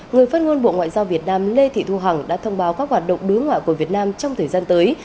người phát ngôn bộ ngoại giao việt nam lê thị thu hằng đã thông báo các hoạt động đối ngoại của việt nam trong thời gian tới